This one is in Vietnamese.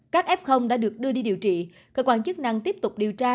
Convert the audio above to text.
các f đã được đưa đi điều trị cơ quan chức năng tiếp tục điều tra